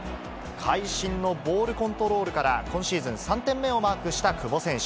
会心のボールコントロールから、今シーズン３点目をマークした久保選手。